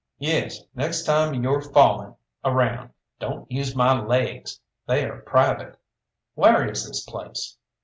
"Yes, next time you're falling around don't use my laigs they're private. Whar is this place?"